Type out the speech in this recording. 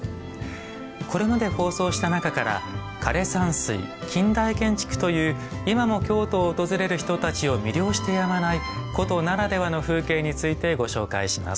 これまで放送した中から枯山水近代建築という今も京都を訪れる人たちを魅了してやまない古都ならではの風景についてご紹介します。